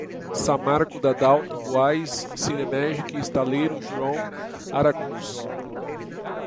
Samarco, Dadalto, Buaiz, Cinemagic, Estaleiro, Jurong Aracruz